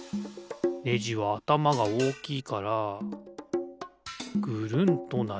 ネジはあたまがおおきいからぐるんとなる。